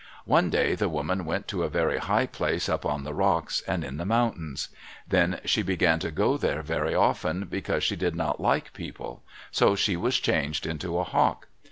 One day the woman went to a very high place up on the rocks, and in the mountains. Then she began to go there very often because she did not like people, so she was changed into a hawk.